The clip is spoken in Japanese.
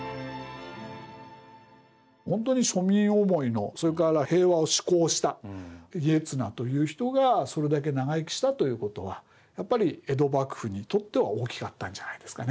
ほんとに庶民思いのそれから平和を志向した家綱という人がそれだけ長生きしたということはやっぱり江戸幕府にとっては大きかったんじゃないですかね。